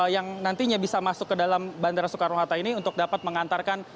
yang nantinya bisa masuk ke dalam bandara soekarno hatta ini untuk dapat mengantarkan